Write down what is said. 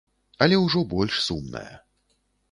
Але ўжо больш сумная.